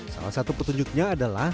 salah satu petunjuknya adalah